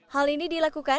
hal ini dilakukan